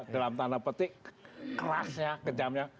dalam tanah petik kerasnya kejamnya